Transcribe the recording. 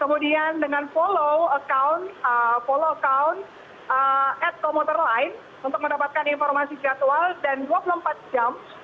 kemudian dengan follow account at komuter lain untuk mendapatkan informasi jadwal dan dua puluh empat jam